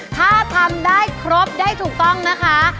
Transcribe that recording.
ถ้าทำได้ครบได้ถูกต้องนะคะ